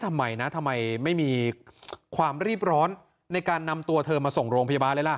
ทำไมนะทำไมไม่มีความรีบร้อนในการนำตัวเธอมาส่งโรงพยาบาลเลยล่ะ